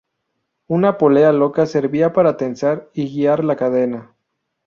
Una polea loca servía para tensar y guiar la cadena.